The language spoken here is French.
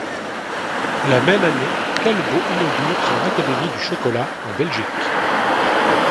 La même année, Callebaut inaugure son Académie du chocolat en Belgique.